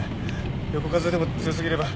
横風でも強過ぎれば。